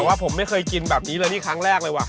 แต่ว่าผมไม่เคยกินแบบนี้เลยนี่ครั้งแรกเลยว่